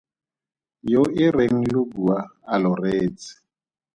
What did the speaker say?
Yo e reng lo bua a lo reetse.